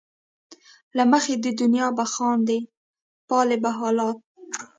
له مخې د دنیا به خاندې ،پالې به حالات